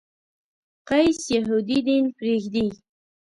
قیس یهودي دین پرېږدي.